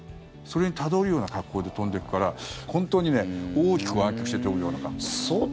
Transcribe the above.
それにたどるような格好で飛んでいくから本当に、大きく湾曲して飛ぶような格好。